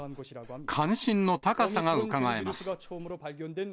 関心の高さがうかがえます。